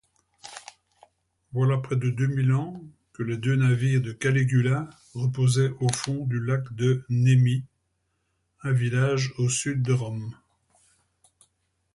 For further Barons Welles, see Earl of Ranfurly.